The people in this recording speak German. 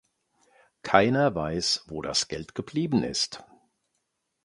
Keiner weiß, wo das Geld geblieben ist.